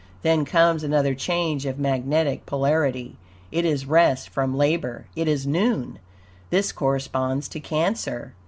Then comes another change of magnetic polarity. It is rest from labor; it is noon. This corresponds to Cancer.